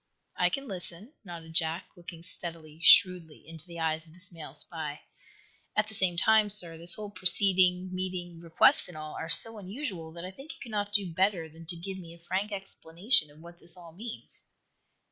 "I can listen," nodded Jack, looking steadily, shrewdly into the eyes of this male spy. "At the same time, sir, this whole proceeding, meeting, request and all are so unusual that I think you cannot do better than to give me a frank explanation of what this all means."